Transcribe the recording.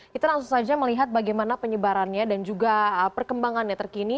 kita langsung saja melihat bagaimana penyebarannya dan juga perkembangannya terkini